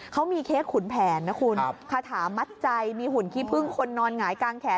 เขามีเค้กขุนแผนนะคุณคาถามัดใจมีหุ่นขี้พึ่งคนนอนหงายกลางแขน